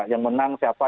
yang menang siapa